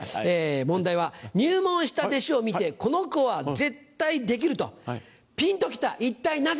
問題は「入門した弟子を見てこの子は絶対できるとぴんと来た一体なぜ？」。